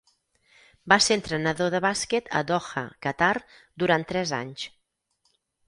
Va ser entrenador de bàsquet a Doha, Qatar, durant tres anys.